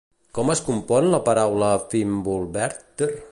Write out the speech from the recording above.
Com es compon la paraula Fimbulvetr?